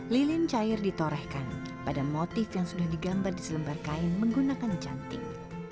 lilin cair ditorehkan pada motif yang sudah digambar di selembar kain menggunakan cantik